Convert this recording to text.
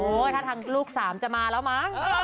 โอ้โฮถ้าลูกสามจะมาแล้วมั้ง